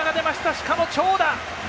しかも、長打！